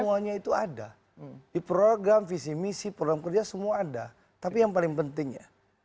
semuanya itu ada di program visi misi program kerja semua ada tapi yang paling penting ya